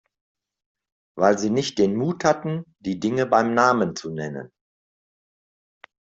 Weil Sie nicht den Mut hatten, die Dinge beim Namen zu nennen.